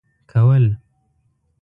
كول.